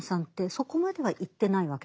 そこまでは言ってないわけですよ。